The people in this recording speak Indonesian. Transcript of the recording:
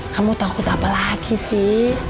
kamu takut apa lagi sih